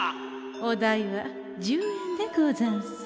お代は１０円でござんす。